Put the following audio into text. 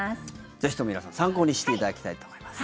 ぜひとも皆さん参考にしていただきたいと思います。